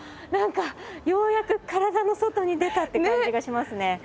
なんかようやく体の外に出たって感じがしますね。